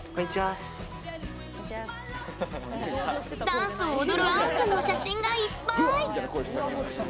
ダンスを踊るあお君の写真がいっぱい！